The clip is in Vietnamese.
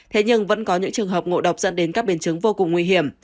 thế nhưng vẫn có những trường hợp ngộ độc dẫn đến các biến chứng vô cùng nguy hiểm